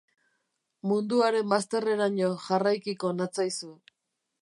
Munduaren bazterreraino jarraikiko natzaizu.